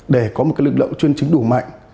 để có một lực lượng chuyên chính đủ mạnh